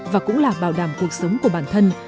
và cũng là bảo đảm cuộc sống của bản thân